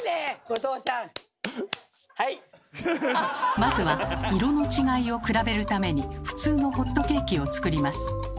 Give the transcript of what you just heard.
まずは色の違いを比べるために普通のホットケーキを作ります。